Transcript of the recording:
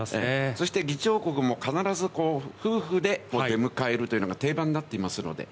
そして議長国も必ず夫婦で出迎えるというのが定番になっています。